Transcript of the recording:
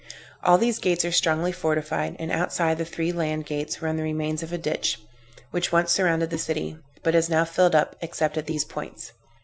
All these gates are strongly fortified, and outside the three land gates run the remains of a ditch, which once surrounded the city, but is now filled up except at these points.